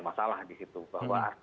masalah di situ bahwa ada masalah di situ